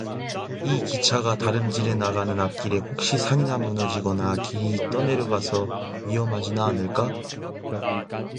이 기차가 달음질해 나가는 앞길에 혹시 산이나 무너지거나 길이 떠내려가서 위험하지나 않을까?